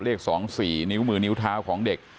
เลข๒๔นิ้วมือนิ้วเท้าของเด็ก